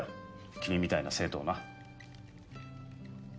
君みたいな生徒をな。